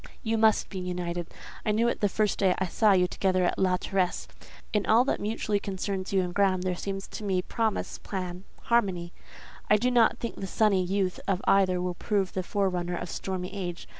You must be united. I knew it the first day I saw you together at La Terrasse. In all that mutually concerns you and Graham there seems to me promise, plan, harmony. I do not think the sunny youth of either will prove the forerunner of stormy age.